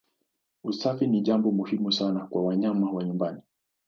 Usafi ni jambo muhimu sana kwa wanyama wa nyumbani.